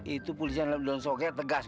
itu polisi yang lep don sok ya tegas gue demen